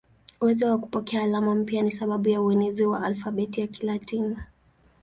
Uwezo wa kupokea alama mpya ni sababu ya uenezi wa alfabeti ya Kilatini.